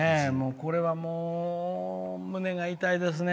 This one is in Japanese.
これは、もう胸が痛いですね。